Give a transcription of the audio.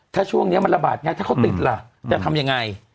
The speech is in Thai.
ถ้าช่วงนี้มันระบาดง่ายถ้าเขาติดล่ะจะทำยังไง